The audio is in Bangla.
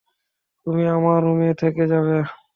তুমি আমার রুমে থেকে যাবে।